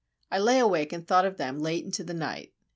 I lay awake and thought of them late into the night.